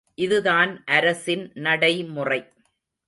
இதுதான் அரசின் நடைமுறை.